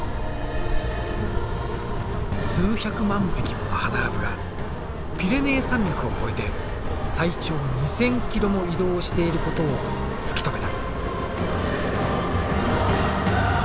数百万匹ものハナアブがピレネー山脈を越えて最長２，０００ｋｍも移動をしていることを突き止めた。